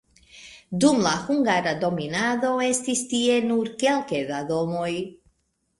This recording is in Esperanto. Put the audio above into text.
Dum la hungara dominado estis tie nur kelke da domoj.